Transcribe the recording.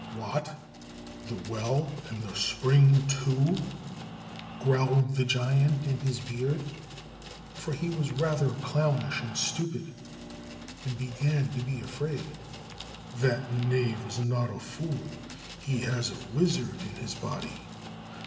"What! the well and the spring too," growled the giant in his beard, for he was rather clownish and stupid, and began to be afraid. "That knave is not a fool, he has a wizard in his body.